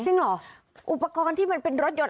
ซึ่งอุปกรณ์ที่มันเป็นรถยนต์